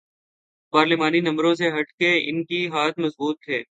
پارلیمانی نمبروں سے ہٹ کے ان کے ہاتھ مضبوط تھے۔